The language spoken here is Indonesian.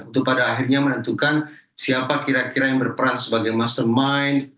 untuk pada akhirnya menentukan siapa kira kira yang berperan sebagai mastermind